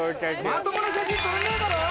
まともな写真撮れねえだろ。